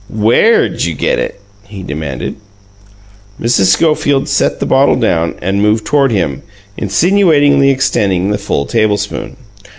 "WHERE'D you get it?" he demanded. Mrs. Schofield set the bottle down and moved toward him, insinuatingly extending the full tablespoon.